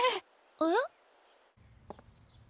えっ？